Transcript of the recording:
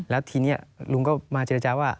แล้วทีนี้ลุงก็มาเจรจาว่า